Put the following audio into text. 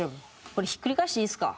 これひっくり返していいですか？